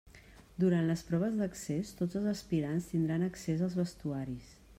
Durant les proves d'accés tots els aspirants tindran accés als vestuaris.